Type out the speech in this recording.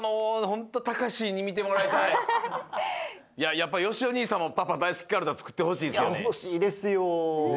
やっぱよしお兄さんもパパだいすきカルタつくってほしいっすよね？